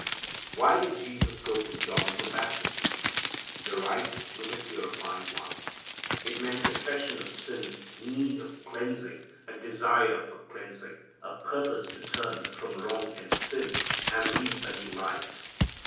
Why did Jesus go to John for baptism? The rite was a purifying one. It meant confession of sin, need of cleansing, a desire for cleansing, a purpose to turn from wrong and sin and lead a new life.